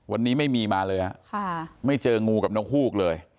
วันนี้ไม่มีมาเลยฮะไม่เจองูกับนกฮูกเลย